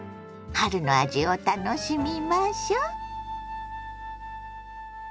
春の味を楽しみましょ。